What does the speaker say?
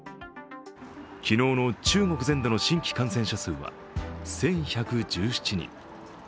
昨日の中国全土の新規感染者数は１１１７人。